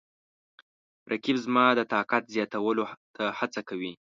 رقیب زما د طاقت زیاتولو ته هڅوي